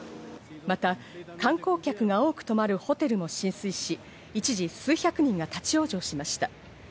また、観光客が多く泊まるホテルも浸水し、一時、数百人が立ち往生しました。